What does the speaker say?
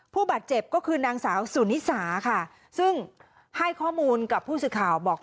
ผู้บาดเจ็บก็คือนางสาวสุนิสาค่ะซึ่งให้ข้อมูลกับผู้สื่อข่าวบอก